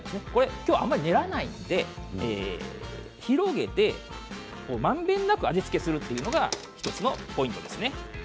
今日はあまり練らないので広げてまんべんなく味付けするというのが１つのポイントですね。